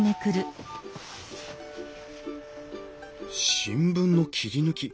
新聞の切り抜き